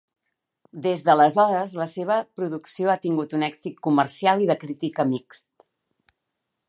Des d'aleshores, la seva producció ha tingut un èxit comercial i de crítica mixt.